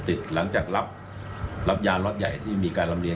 ติดหลังจากรับรับยารถใหญ่ที่มีการรำเรียน